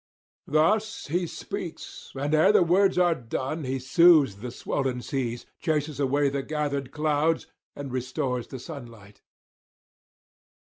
Thus he speaks, and ere the words are done he soothes the swollen seas, chases away the gathered clouds, and restores the sunlight.